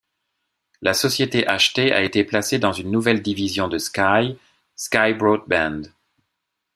La société achetée a été placée dans une nouvelle division de Sky, Sky Broadband.